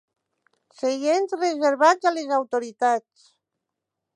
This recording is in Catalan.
Seients reservats a les autoritats.